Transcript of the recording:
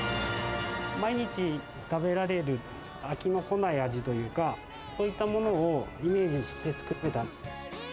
毎日食べられる、飽きのこない味というか、そういったものをイメージして作ってた。